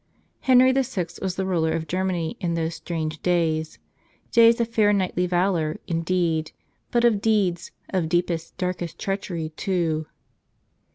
Henry VI was the ruler of Germany in those strange days, — days of fair knightly valor, indeed, but of deeds of deepest, darkest treachery, too.